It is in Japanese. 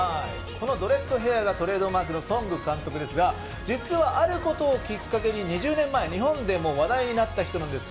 ドレッドヘアがトレードマークのソング監督ですが実は、あることをきっかけに２０年前日本でも話題になった人なんです。